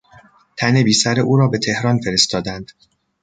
تن بیسر او را به تهران فرستادند.